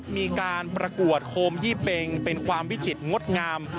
มีการประกวดโคมยี่เป็งเป็นความวิจิตรงดงาม